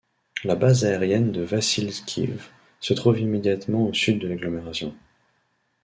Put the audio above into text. La base aérienne de Vassylkiv se trouve immédiatement au sud de l'agglomération.